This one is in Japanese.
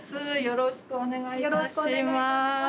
よろしくお願いします。